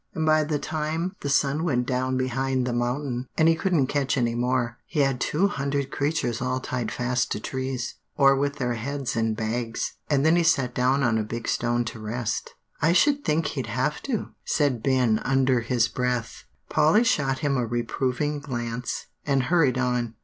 And by the time the sun went down behind the mountain, and he couldn't catch any more, he had two hundred creatures all tied fast to trees, or with their heads in bags. And then he sat down on a big stone to rest." "I should think he'd have to," said Ben under his breath. Polly shot him a reproving glance, and hurried on.